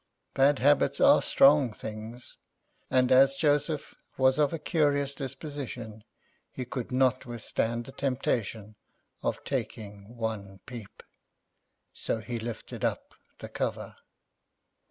Bad habits are strong things, and as Joseph was of a curious disposition, he could not withstand the temptation of taking one peep; so he lifted up the cover.